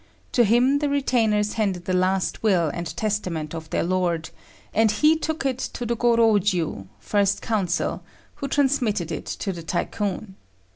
To him the retainers handed the last will and testament of their lord, and be took it to the Gorôjiu (first council), who transmitted it to the Tycoon.